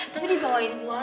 tapi dibawain gua